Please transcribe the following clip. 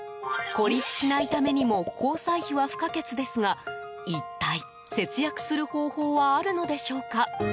孤立しないためにも交際費は不可欠ですが一体、節約する方法はあるのでしょうか。